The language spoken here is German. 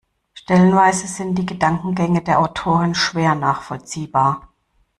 Stellenweise sind die Gedankengänge der Autorin schwer nachvollziehbar.